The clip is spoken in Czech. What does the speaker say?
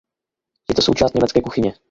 Je to součást německé kuchyně.